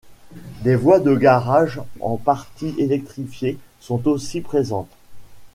Des voies de garage en partie électrifiées sont aussi présentes.